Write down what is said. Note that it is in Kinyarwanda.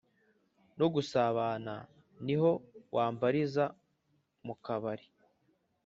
No gusabana niho wambariza mukabari